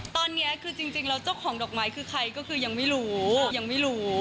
ตอนนี้จริงแล้วเจ้าของดอกไม้คือใครก็คือยังไม่รู้